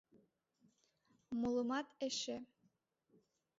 Молымат эше.